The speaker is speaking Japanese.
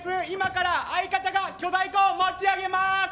今から相方が巨大コーン持ち上げます。